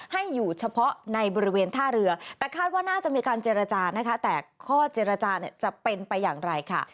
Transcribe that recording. ให้อยู่เฉพาะในบริเวณท่าเรือแต่คาดว่าน่าจะมีการเจรจานะคะแต่ข้อเจรจาเนี่ยจะเป็นไปอย่างไรค่ะ